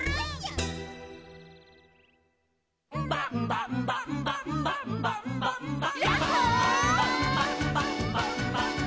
「ンバンバンバンバンバンバンバンバ」「」「」「」